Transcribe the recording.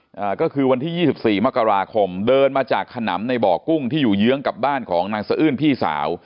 อ่าก็คือวันที่ยี่สิบสี่มกราคมเดินมาจากขนำในบ่อกุ้งที่อยู่เยื้องกับบ้านของนางสะอื้นพี่สาว